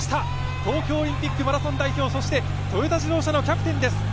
東京オリンピックマラソン代表、トヨタ自動車のキャプテンです。